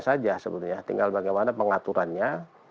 saja sebetulnya tinggal bagaimana pengaturannya